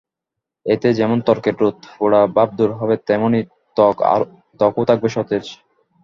এতে যেমন ত্বকের রোদ-পোড়া ভাব দূর হবে, তেমনি ত্বকও থাকবে সতেজ।